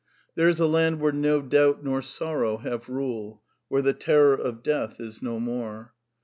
There is a land where no douht nor sorrow have rule: where the terror of Death is no more.